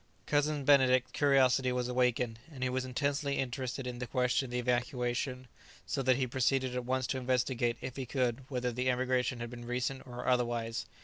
Cousin Benedict's curiosity was awakened, and he was intensely interested in the question of the evacuation, so that he proceeded at once to investigate, if he could, whether the emigration had been recent or otherwise.